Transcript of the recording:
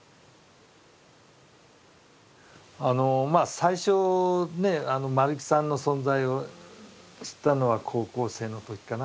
最初ね丸木さんの存在を知ったのは高校生の時かな。